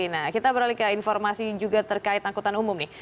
nah kita beralih ke informasi juga terkait angkutan umum nih